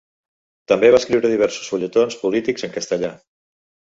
També va escriure diversos fulletons polítics en castellà.